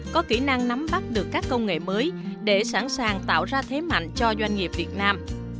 có kỹ năng nắm bắt được các công nghệ mới để sẵn sàng tạo ra thế mạnh cho doanh nghiệp việt nam